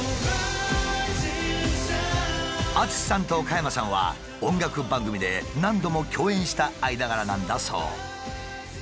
ＡＴＳＵＳＨＩさんと加山さんは音楽番組で何度も共演した間柄なんだそう。